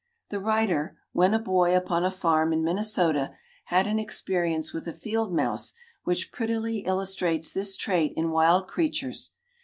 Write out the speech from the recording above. The writer, when a boy upon a farm in Minnesota, had an experience with a field mouse which prettily illustrates this trait in wild creatures.